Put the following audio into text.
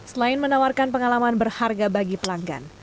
selain menawarkan pengalaman berharga bagi pelanggan